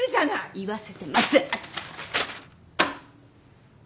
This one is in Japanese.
言わせてません！